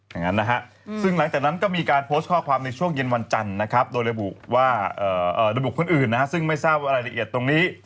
อย่างนั้นนะฮะซึ่งหลังจากนั้นก็มีการโพสต์ข้อความในช่วงเย็นวันจันทร์นะครับโดยระบุว่าระบุคนอื่นนะฮะซึ่งไม่ทราบรายละเอียดตรงนี้